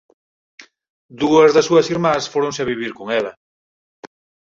Dúas das súas irmás fóronse a vivir con ela.